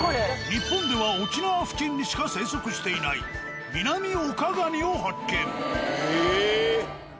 日本では沖縄付近にしか生息していないミナミオカガニを発見。